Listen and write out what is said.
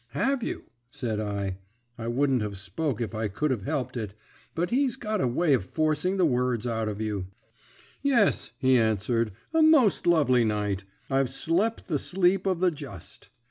"'Have you?' said I. I wouldn't have spoke if I could have helped it, but he's got a way of forcing the words out of you. "'Yes,' he answered, 'a most lovely night. I've slep the sleep of the just.'